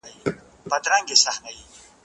زه به د ښوونځی لپاره تياری کړی وي!.